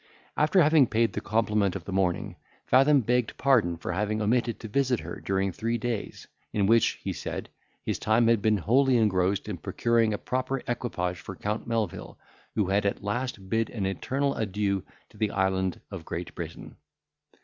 After having paid the compliment of the morning, Fathom begged pardon for having omitted to visit her during three days, in which, he said, his time had been wholly engrossed in procuring a proper equipage for Count Melvil, who had at last bid an eternal adieu to the island of Great Britain.